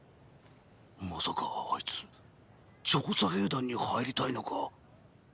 まさかあいつ「調査兵団」に入りたいのか？